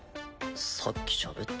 さっきしゃべった。